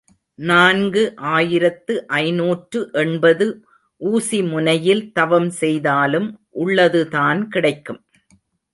நான்கு ஆயிரத்து ஐநூற்று எண்பது ஊசி முனையில் தவம் செய்தாலும் உள்ளதுதான் கிடைக்கும்.